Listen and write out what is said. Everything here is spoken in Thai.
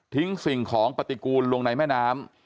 สิ่งของปฏิกูลลงในแม่น้ำ